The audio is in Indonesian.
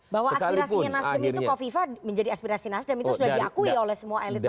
bahwa aspirasinya nasdem itu kofifa menjadi aspirasi nasdem itu sudah diakui oleh semua elit partai